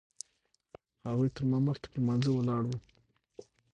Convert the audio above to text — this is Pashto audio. هغوی تر ما مخکې په لمانځه ولاړ وي.